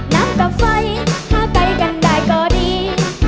น้ำกับไฟพากันไกลกันได้ก็ดี